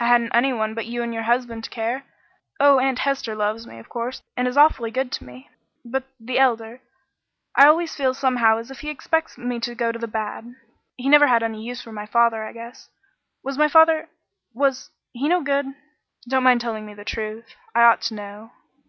"I hadn't any one but you and your husband to care. Oh, Aunt Hester loves me, of course, and is awfully good to me but the Elder I always feel somehow as if he expects me to go to the bad. He never had any use for my father, I guess. Was my father was he no good? Don't mind telling me the truth: I ought to know."